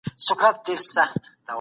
خپل انساني کرامت ته تل درناوی ولرئ.